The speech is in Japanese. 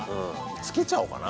つけちゃおうかな。